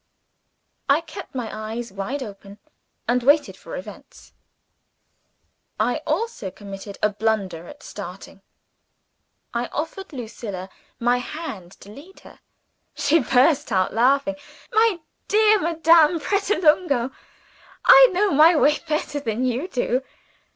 I kept my eyes wide open, and waited for events. I also committed a blunder at starting I offered Lucilla my hand to lead her. She burst out laughing. "My dear Madame Pratolungo! I know my way better than you do.